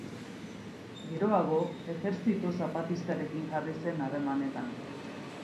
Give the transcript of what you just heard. Geroago Ejertzito Zapatistarekin jarri zen harremanetan.